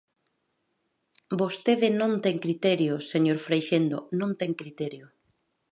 Vostede non ten criterio, señor Freixendo, non ten criterio.